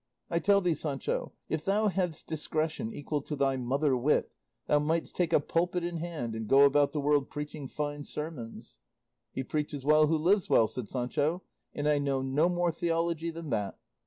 I tell thee, Sancho, if thou hadst discretion equal to thy mother wit, thou mightst take a pulpit in hand, and go about the world preaching fine sermons." "He preaches well who lives well," said Sancho, "and I know no more theology than that."